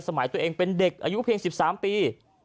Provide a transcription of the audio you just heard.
ตัวเองเป็นเด็กอายุเพียง๑๓ปี